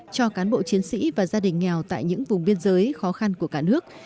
cho cán bộ chiến sĩ và gia đình nghèo tại những vùng biên giới khó khăn của cả nước